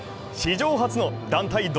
史上初の団体